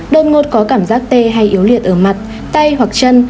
đột ngột có cảm giác tê hay yếu liệt ở mặt tay hoặc chân